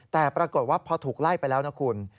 แต่ปรากฏว่าพอถูกไล่ไปแล้วนะคุณ